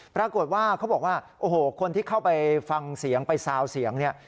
ปรากฏว่าเขาบอกว่าโอ้โหคนที่เข้าไปฟังเสียงไปซาวเสียงเนี่ย